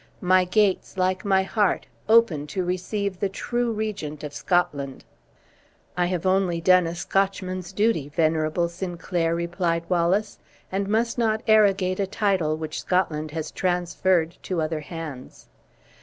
My gates, like my heart, open to receive the true Regent of Scotland." "I have only done a Scotchman's duty, venerable Sinclair," replied Wallace, "and must not arrogate a title which Scotland has transferred to other hands."